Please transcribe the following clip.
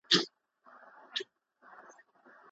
د ښوونځي په برخه کې عدالت ته اړتیا ده.